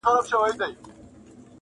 غوټۍ مي وسپړلې -